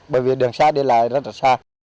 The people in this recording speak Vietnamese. bởi vì đường xã đi lại rất là xa